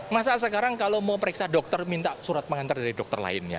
masa sekarang kalau mau periksa dokter minta surat pengantar dari dokter lainnya